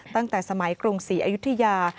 ตั้งแต่สมัยกรุงสี่อายุทธิยา